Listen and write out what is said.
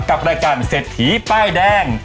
กับรายการเศรษฐีป้ายแดง